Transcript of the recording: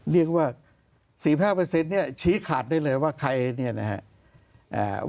เรียกว่า๔๕เนี่ยชี้ขาดได้เลยว่าใครเนี่ยนะครับ